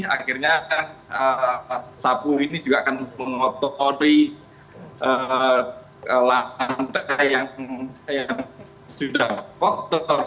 akhirnya sapu ini juga akan mengotori lantai yang sudah kotor